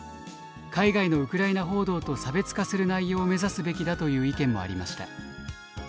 海外のウクライナ報道と差別化する内容を目指すべきだ」という意見もありました。